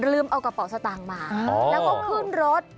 เอากระเป๋าสตางค์มาแล้วก็ขึ้นรถ